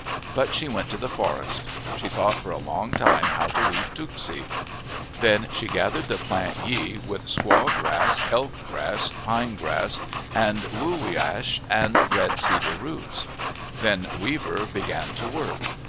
But she went to the forest. She thought for a long time how to weave tooksi. Then she gathered the plant yi, with squaw grass, elk grass, pine grass, and noo wi ash, the red cedar roots. Then Weaver began to work.